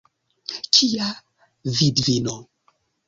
Kia vidvino?